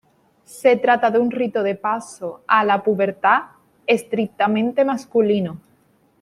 Se trata de un rito de paso a la pubertad, estrictamente masculino.